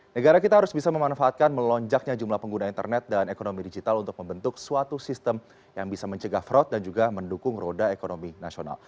negara kita harus bisa memanfaatkan melonjaknya jumlah pengguna internet dan ekonomi digital untuk membentuk suatu sistem yang bisa mencegah fraud dan juga mendukung roda ekonomi nasional